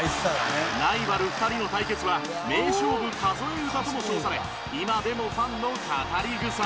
ライバル２人の対決は「名勝負数え唄」とも称され今でもファンの語り草